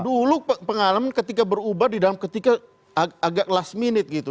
dulu pengalaman ketika berubah di dalam ketika agak last minute gitu